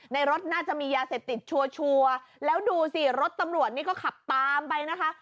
รถน่าจะมียาเสพติดชัวร์แล้วดูสิรถตำรวจนี่ก็ขับตามไปนะคะ